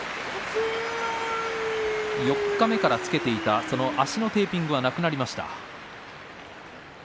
四日目からつけていた足のテーピングは、なくなりました。